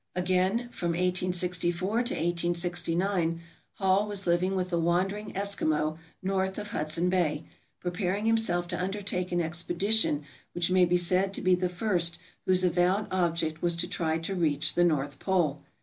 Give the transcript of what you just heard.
Again, from 1864 to 1869, Hall was living with the wandering Eskimo north of Hudson Bay, preparing himself to undertake an expedition which may be said to be the first whose avowed object was to try to reach the north pole.